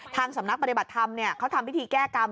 สำนักปฏิบัติธรรมเขาทำพิธีแก้กรรม